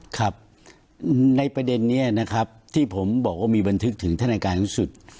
ครับในประเด็นนี้นะครับที่ผมบอกว่ามีบันทึกถึงท่านอายการสูงสุด